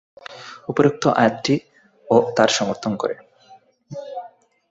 উপরোক্ত আয়াতটিও তার সমর্থন করে।